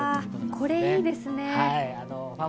これいいですね。